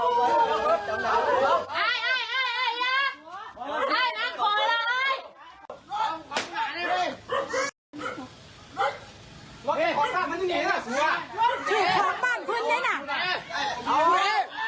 อุ้วกลัวของบ้านเช่าเสียหลังนี้